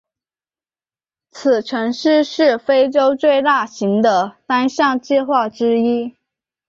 此城市是非洲最大型的单项计划之一。